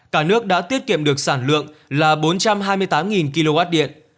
cả nước đã tiết kiệm được sản lượng là bốn trăm hai mươi tám kwh